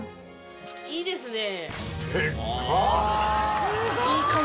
いいですね。